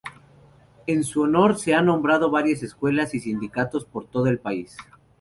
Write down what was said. En su honor se han nombrado varias escuelas y sindicatos por todo el país.